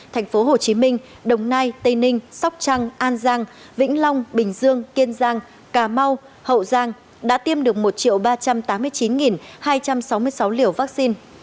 thành phố hồ chí minh đồng nai tây ninh sóc trăng an giang vĩnh long bình dương kiên giang cà mau hậu giang đã tiêm được một ba trăm tám mươi chín hai trăm sáu mươi sáu liều vaccine